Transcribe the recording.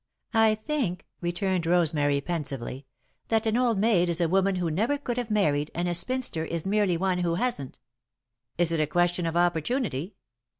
"I think," returned Rosemary, pensively, "that an old maid is a woman who never could have married and a spinster is merely one who hasn't." "Is it a question of opportunity?"